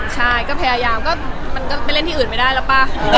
ใช่ก็พยายามก็มันก็ไปเล่นที่อื่นไม่ได้แล้วป่ะ